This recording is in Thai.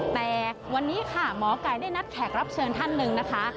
แต่วันนี้ค่ะหมอไก่ได้นัดแขกรับเชิญท่านหนึ่งนะคะ